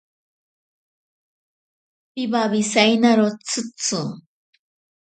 Piwawisainaro tsitsi.